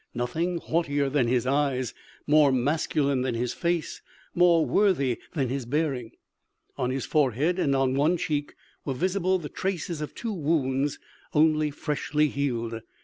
Nothing haughtier than his eyes, more masculine than his face, more worthy than his bearing. On his forehead and on one cheek were visible the traces of two wounds only freshly healed.